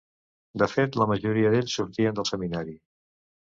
De fet, la majoria d'ells sortien del seminari.